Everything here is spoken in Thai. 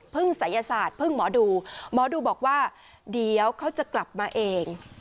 ศัยศาสตร์พึ่งหมอดูหมอดูบอกว่าเดี๋ยวเขาจะกลับมาเอง